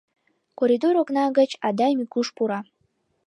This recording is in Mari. Коридор окна гыч Адай Микуш пура.